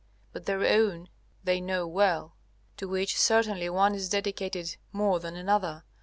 But their own they know well, to which certainly one is dedicated more than another.